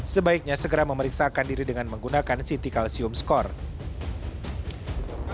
sebaiknya segera memeriksakan diri dengan menggunakan ct calcium score